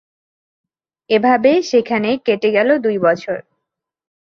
এভাবে সেখানে কেটে গেলো দুই বছর।